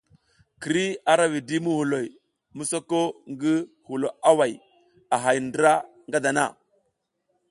Kiri ara widi muhuloy mi soka ngi hulo away a hay ndra nga dana.